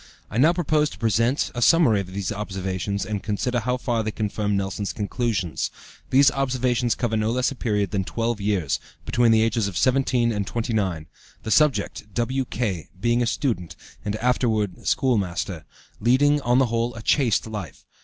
I now propose to present a summary of these observations, and consider how far they confirm Nelson's conclusions. These observations cover no less a period than twelve years, between the ages of 17 and 29, the subject, W.K., being a student, and afterward schoolmaster, leading, on the whole, a chaste life.